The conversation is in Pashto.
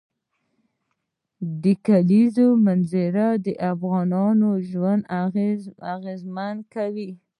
د کلیزو منظره د افغانانو ژوند اغېزمن کوي.